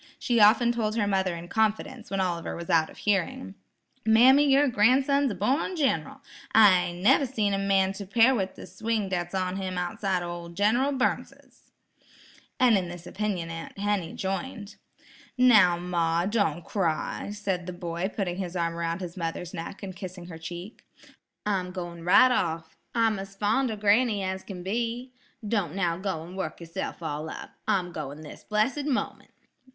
She often told her mother in confidence, when Oliver was out of hearing: "Mammy, yer gran'son's a born gin'ral; I never seen any man to 'pare with the swing dat's on him outside o' ol' Gin'ral Burnsis." And in this opinion Aunt Henny joined. "Now, ma, don't cry," said the boy putting his arm about his mother's neck and kissing her cheek. "I'm going right off. I'm as fond of granny as can be. Don't now go and work yourself all up. I'm going this blessed moment."